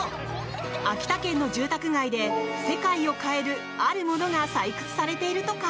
秋田県の住宅街で世界を変える、あるものが採掘されているとか。